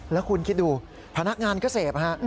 แล้วคุณคิดดูพนักงานก็เสพฮะ